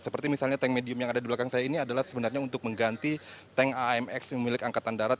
seperti misalnya tank medium yang ada di belakang saya ini adalah sebenarnya untuk mengganti tank amx yang milik angkatan darat